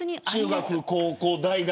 中学、高校、大学